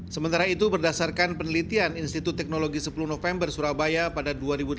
sementara itu berdasarkan penelitian institut teknologi sepuluh november surabaya pada dua ribu delapan belas